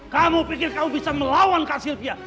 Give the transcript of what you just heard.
kamu pikir kamu bisa melawan ka sylvia